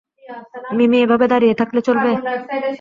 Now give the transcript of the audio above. মিমি, এভাবে দাঁড়িয়ে থাকলে চলবে?